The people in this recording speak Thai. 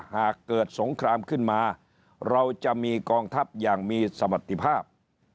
หากเกิดสงครามขึ้นมาเราจะมีกองทัพอย่างมีสมรติภาพ